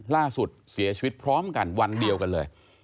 ล่าสุดเสียชีวิตพร้อมกันวันเดียวกันเลย